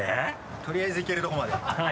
とりあえず行けるとこまではい。